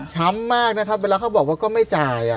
ช้ำมากนะครับเวลาเขาบอกว่าก็ไม่จ่ายอ่ะ